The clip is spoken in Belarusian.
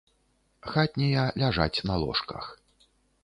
Хатнія ляжаць на ложках.